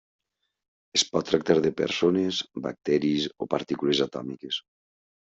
Es pot tractar de persones, bacteris o partícules atòmiques.